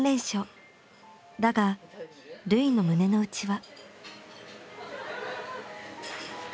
だが瑠唯の胸の内は。